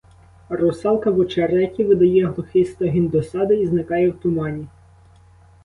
Русалка в очереті видає глухий стогін досади і зникає в тумані.